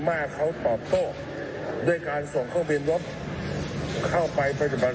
มาร์เขาตอบโตด้วยการส่งเครื่องบินรถเข้าไปประธบาร